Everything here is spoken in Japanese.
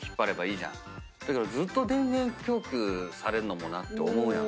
ずっと電源供給されんのもなって思うやん。